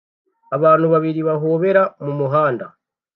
Abantu babiri bahobera mu muhanda